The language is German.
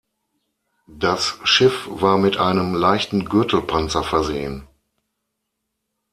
Das Schiff war mit einem leichten Gürtelpanzer versehen.